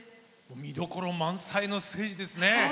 見どころ満載のステージですね。